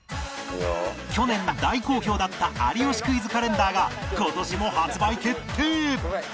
去年大好評だった『有吉クイズ』カレンダーが今年も発売決定！